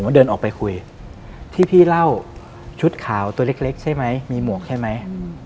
ก็เดินออกไปคุยที่พี่เล่าชุดขาวตัวเล็กใช่ไหมมีหมวกใช่ไหม